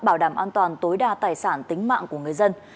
bảo đảm an toàn tối đa tài sản tính mạng của người dân